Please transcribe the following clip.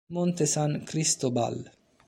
Monte San Cristóbal